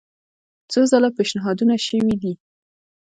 څو ځله پېشنهادونه شوي دي.